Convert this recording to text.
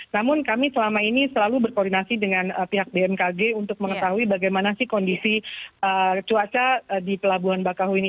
namun kami selama ini selalu berkoordinasi dengan pihak bmkg untuk mengetahui bagaimana sih kondisi cuaca di pelabuhan bakahuni